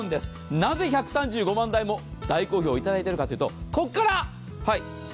なぜ１３５万台も大好評いただいているかというと、ここから。